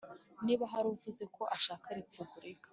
niba hari uvuze ko ashaka repubulika,